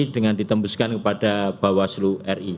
dengan ditembuskan kepada bapak ibu